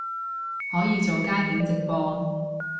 可以做街景直播